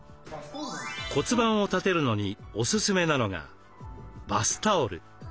骨盤を立てるのにおすすめなのがバスタオル。